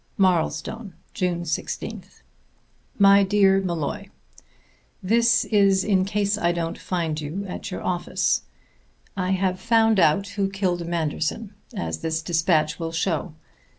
_) Marlstone, June 16th. My Dear Molloy: This is in case I don't find you at your office. I have found out who killed Manderson, as this despatch will show.